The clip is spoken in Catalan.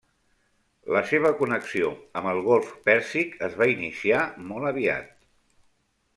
La seva connexió amb el Golf Pèrsic es va iniciar molt aviat.